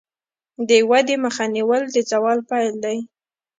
د ودې مخه نیول د زوال پیل دی.